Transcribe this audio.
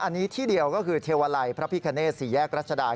อันนี้ที่เดียวก็คือเทวาลัยพระพิคเนตสี่แยกรัชดา